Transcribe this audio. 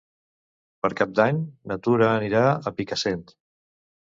Per Cap d'Any na Tura anirà a Picassent.